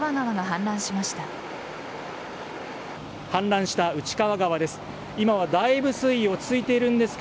氾濫した内川川です。